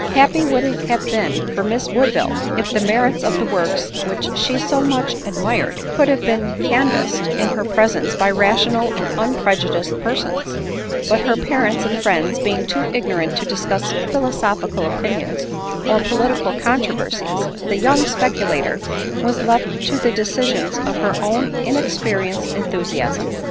Happy would it have been for Miss Woodville, if the merits of the works which she so much admired could have been canvassed in her presence by rational and un prejudiced persons ; but her parents and friends being too ignorant to discuss philosophical opinions or political controversies, the young speculator was left to the decis ions of her own inexperienced enthusiasm.